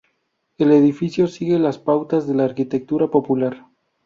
El edificio sigue las pautas de la arquitectura popular.